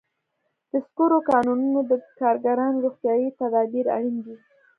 د سکرو کانونو ته د کارګرانو روغتیايي تدابیر اړین دي.